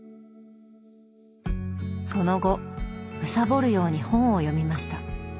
その後むさぼるように本を読みました。